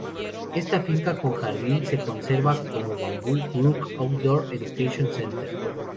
Esta finca, con jardín, se conserva como "Bamboo Brook Outdoor Education Center".